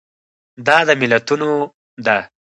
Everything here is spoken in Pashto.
دا د ملتونو ده.